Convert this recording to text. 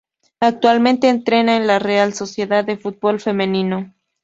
Actualmente entrena a la Real Sociedad de Fútbol Femenino.